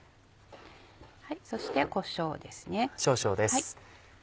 そしてこしょうです。